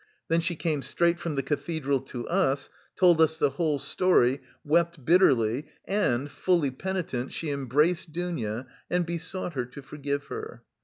Then she came straight from the Cathedral to us, told us the whole story, wept bitterly and, fully penitent, she embraced Dounia and besought her to forgive her.